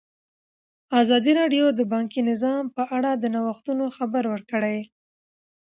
ازادي راډیو د بانکي نظام په اړه د نوښتونو خبر ورکړی.